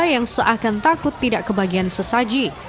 yang seakan takut tidak kebagian sesaji